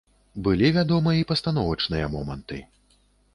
Былі, вядома, і пастановачныя моманты.